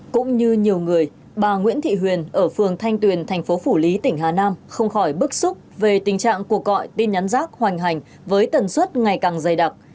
cũng như nhiều người bà nguyễn thị huyền ở phường thanh tuyền thành phố phủ lý tỉnh hà nam không khỏi bức xúc về tình trạng cuộc gọi tin nhắn rác hoành hành với tần suất ngày càng dày đặc